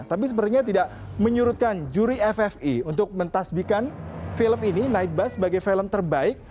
tapi sepertinya tidak menyurutkan juri ffi untuk mentasbikan film ini night bus sebagai film terbaik